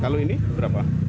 kalau ini berapa